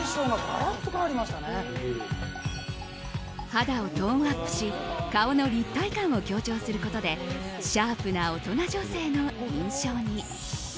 肌をトーンアップし顔の立体感を強調することでシャープな大人女性の印象に。